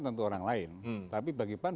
tentu orang lain tapi bagi pan